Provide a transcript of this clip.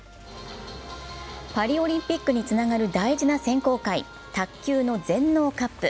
パリオリンピックにつながる大事な選考会、卓球の全農カップ。